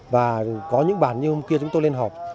và có những bản như hôm kia chúng tôi lên họp